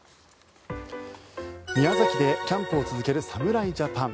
宮崎でキャンプを続ける侍ジャパン。